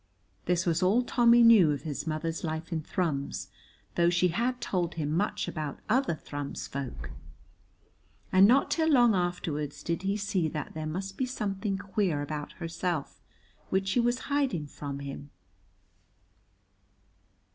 This was all Tommy knew of his mother's life in Thrums, though she had told him much about other Thrums folk, and not till long afterwards did he see that there must be something queer about herself, which she was hiding from him.